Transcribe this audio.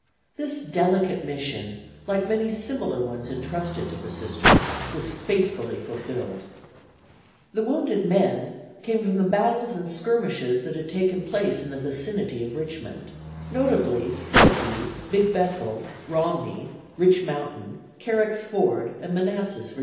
This delicate mission, like many similar ones entrusted to the Sisters, was faithfully fulfilled. The wounded men came from the battles and skirmishes that had taken place in the vicinity of Richmond, notably Phillippi, Big Bethel, Romney, Rich Mountain, Carrick's Ford and Manassas, Va.